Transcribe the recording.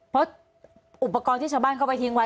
เพราะอุปกรณ์ที่ชาวบ้านเข้าไปทิ้งไว้